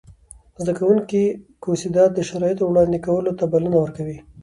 زده کوونکي کوسيدات د شرایطو وړاندې کولو ته بلنه ورکوي.